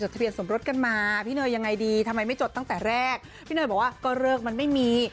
ทำไมไม่จดตั้งแต่แรกพี่หน่อยบอกว่าก็เลิกมันไม่มี